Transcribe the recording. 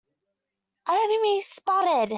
Enemy spotted!